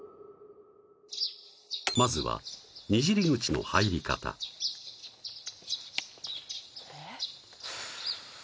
まずはにじり口の入り方えっ？